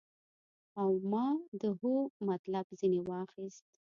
او ما د هو مطلب ځنې واخيست.